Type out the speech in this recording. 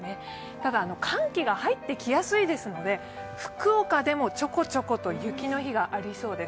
ただ寒気が入ってきやすいですので、福岡でもちょこちょこと雪のマークがつきそうです。